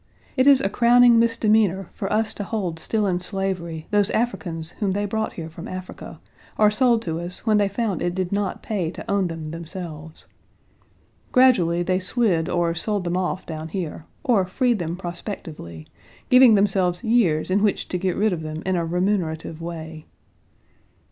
It is a crowning misdemeanor for us to hold still in slavery those Africans whom they brought here from Africa, or sold to us when they found it did not pay to own them themselves. Gradually, they slid or sold them off down here; or freed them prospectively, giving themselves years in which to get rid of them in a remunerative way.